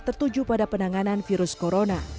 tertuju pada penanganan virus corona